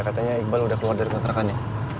katanya iqbal udah keluar dari kontrakannya